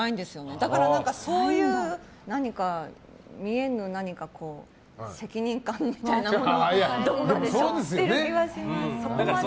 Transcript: だから、そういう何か見えぬ何か責任感みたいなものを背負ってる気がします。